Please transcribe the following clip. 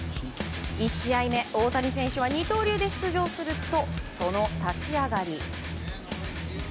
１試合目、大谷選手は二刀流で出場すると、その立ち上がり。